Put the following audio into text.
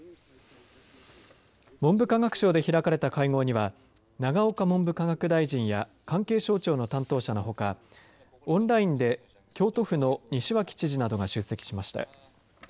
文部科学省で開かれた会合には永岡文部科学大臣や関係省庁の担当者のほかオンラインで京都府の西脇知事などが出席しました。